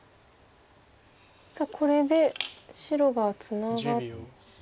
さあこれで白がツナがって。